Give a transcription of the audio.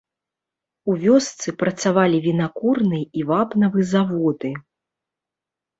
У вёсцы працавалі вінакурны і вапнавы заводы.